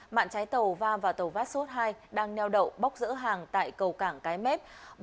mạng trái tàu va vào tàu vassos ii đang neo đậu bóc giữa hàng tại cầu cảng cái mép